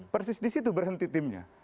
persis di situ berhenti timnya